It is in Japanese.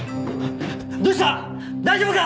どうした⁉大丈夫か！